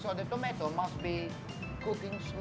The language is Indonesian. jadi tomat harus dimasak dengan perlahan